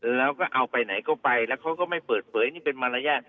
แล้วก็เอาไปไหนก็ไปแล้วเขาก็ไม่เปิดเผยนี่เป็นมารยาท